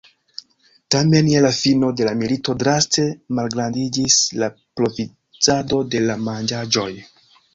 Tamen je la fino de la milito draste malgrandiĝis la provizado de la manĝaĵoj.